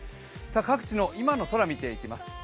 各地の今の空、見ていきます。